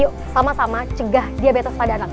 yuk sama sama cegah diabetes pada anak